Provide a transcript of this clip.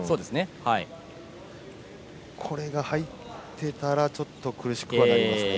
これが入っていたら、ちょっと苦しくはなりますね。